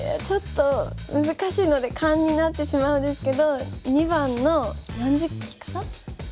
ちょっと難しいので勘になってしまうんですけど２番の４０期かな。